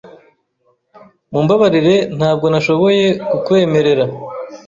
Mumbabarire ntabwo nashoboye kukwemerera,